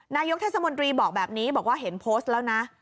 นายกเทศมนตรีบอกแบบนี้บอกว่าเห็นโพสต์แล้วนะ